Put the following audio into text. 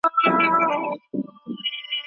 ايا لارښود استاد په څېړنه کي ستا مرسته کوي؟